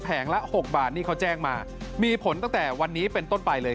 ละ๖บาทนี่เขาแจ้งมามีผลตั้งแต่วันนี้เป็นต้นไปเลย